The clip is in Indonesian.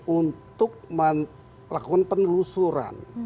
untuk melakukan penelusuran